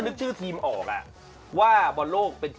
เมื่อกี้ใครแพ้วะตกลง